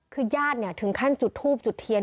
คือย่านเนี้ยถึงขั้นจุดธูปจุดเทียน